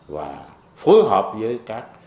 và phối hợp với các